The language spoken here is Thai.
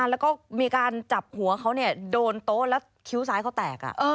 แล้วก็มีการจับหัวเขาโดนโต๊ะแล้วคิ้วซ้ายเขาแตก